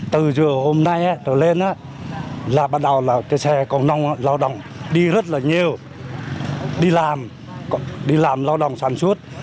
từ vừa hôm nay rồi lên là bắt đầu là cái xe công an lao động đi rất là nhiều đi làm đi làm lao động sản xuất